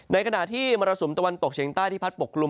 ในขณะที่มรสุมตะวันตกเฉียงใต้ที่พัดปกกลุ่ม